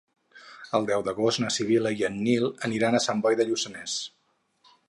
El deu d'agost na Sibil·la i en Nil aniran a Sant Boi de Lluçanès.